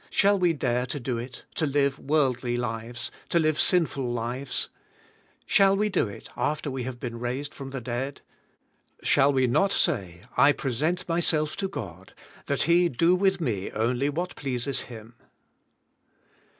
Shall we dare to do it, to lire worldly lives, to live sinful lives ? Shall we do it after we have been raised from the dead? Shall we not say, I present myself to God, that He do with me only what pleases Him.